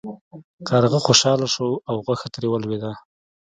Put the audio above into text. کارغه خوشحاله شو او غوښه ترې ولویده.